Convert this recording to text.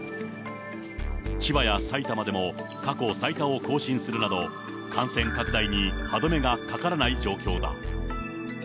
千葉や埼玉でも過去最多を更新するなど、感染拡大に歯止めがかからない状況だ。